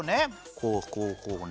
こうこうこうね。